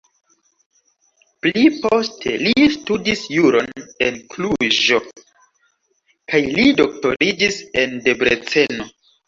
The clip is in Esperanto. Pli poste li studis juron en Kluĵo kaj li doktoriĝis en Debreceno.